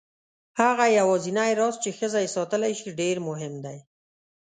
هغه یوازینی راز چې ښځه یې ساتلی شي ډېر مهم دی.